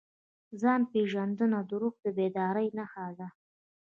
ځان پېژندنه د روح د بیدارۍ نښه ده.